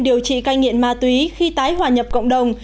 điều trị ca nhiễn ma túy khi tái hòa nhập cộng đồng